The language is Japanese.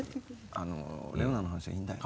レオナの話はいいんだよ。